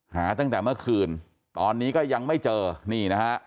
หาตั้งแต่เมื่อคืนตอนนี้ก็ยังไม่เจอนี่นะฮะ